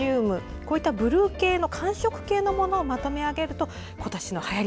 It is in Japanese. こういったブルー系の寒色系のものをまとめ上げると今年のはやり